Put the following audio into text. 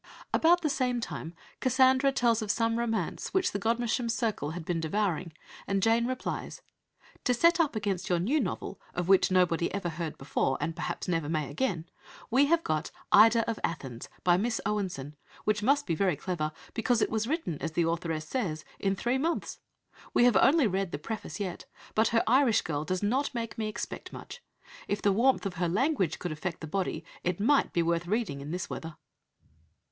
About the same time Cassandra tells of some romance which the Godmersham circle has been devouring, and Jane replies "To set up against your new novel, of which nobody ever heard before, and perhaps never may again, we have got Ida of Athens, by Miss Owenson, which must be very clever, because it was written, as the authoress says, in three months. We have only read the preface yet, but her Irish girl does not make me expect much. If the warmth of her language could affect the body it might be worth reading in this weather."